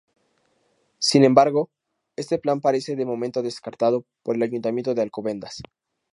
Sin embargo, este plan parece de momento descartado por el Ayuntamiento de Alcobendas.